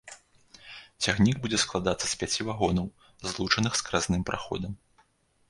Цягнік будзе складацца з пяці вагонаў, злучаных скразным праходам.